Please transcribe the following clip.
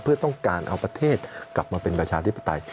เพื่อต้องการเอาประเทศกลับมาเป็นประชาธิปไตย